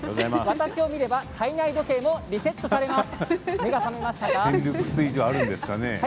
私を見れば体内時計もリセットされます。